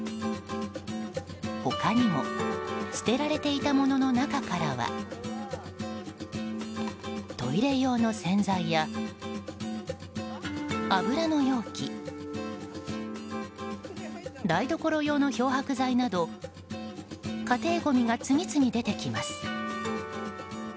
他にも捨てられていたものの中からはトイレ用の洗剤や油の容器台所用の漂白剤など家庭ごみが次々出てきます。